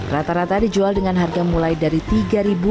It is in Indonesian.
rata rata dijual dengan harga mulai dari rp tiga